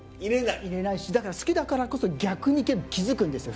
いれないしだから好きだからこそ逆に気付くんですよ。